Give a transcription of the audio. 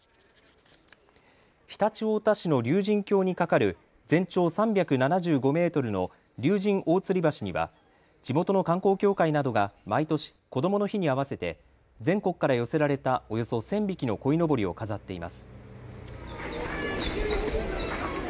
常陸太田市の竜神峡に架かる全長３７５メートルの竜神大吊橋には地元の観光協会などが毎年、こどもの日に合わせて全国から寄せられたおよそ１０００匹のこいのぼりを飾っています。